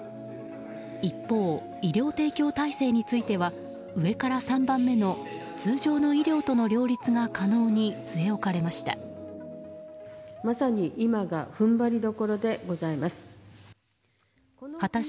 一方、医療提供体制については上から３番目の通常の医療との両立が可能に据え置かれました。